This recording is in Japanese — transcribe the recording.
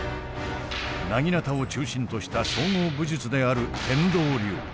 薙刀を中心とした総合武術である天道流。